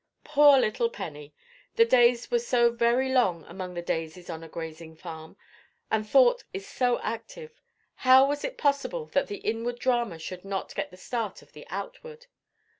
Poor little Penny! the days were so very long among the daisies on a grazing farm, and thought is so active—how was it possible that the inward drama should not get the start of the outward?